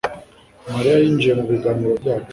mariya yinjiye mubiganiro byacu